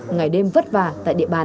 ngày đêm vất vả tại địa bàn